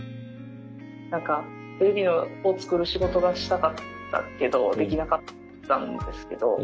テレビをつくる仕事がしたかったけどできなかったんですけど